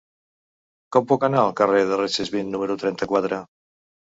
Com puc anar al carrer de Recesvint número trenta-quatre?